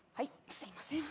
すみません。